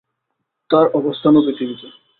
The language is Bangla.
তার অবস্থানও পৃথিবীতে।